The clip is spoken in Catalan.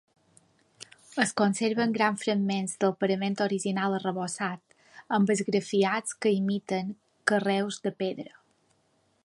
Es conserven grans fragments del parament original arrebossat, amb esgrafiats que imiten carreus de pedra.